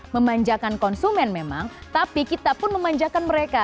memanjakan konsumen memang tapi kita pun memanjakan mereka